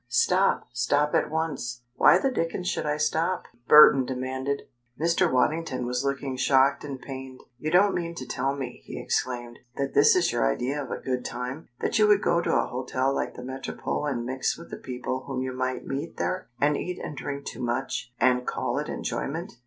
"Stop! Stop at once!" "Why the dickens should I stop?" Burton demanded. Mr. Waddington was looking shocked and pained. "You don't mean to tell me," he exclaimed, "that this is your idea of a good time? That you would go to a hotel like the Metropole and mix with the people whom you might meet there, and eat and drink too much, and call it enjoyment?